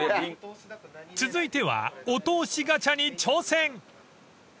［続いてはお通しガチャに挑戦！］